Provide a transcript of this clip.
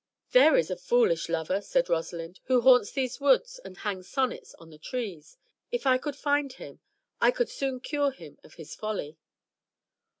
"There is a foolish lover," said Rosalind, "who haunts these woods and hangs sonnets on the trees. If I could find him, I would soon cure him of his folly."